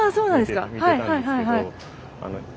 はいはいはいはい。